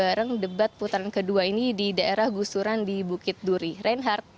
dan bareng debat putaran kedua ini di daerah gusuran di bukit duri reinhardt